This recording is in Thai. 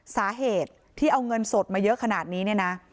สาเหตุที่เอาเงินสดมาเยอะขนาดนี้เนี่ยนะ